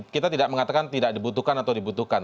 kita tidak mengatakan tidak dibutuhkan atau dibutuhkan